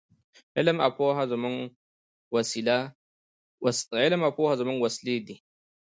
علم او پوهه زموږ وسلې دي.